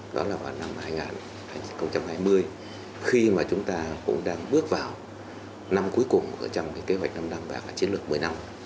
đó là vào năm hai nghìn hai mươi khi mà chúng ta cũng đang bước vào năm cuối cùng ở trong cái kế hoạch năm năm và là chiến lược một mươi năm